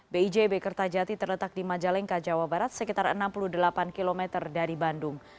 bijb kertajati terletak di majalengka jawa barat sekitar enam puluh delapan km dari bandung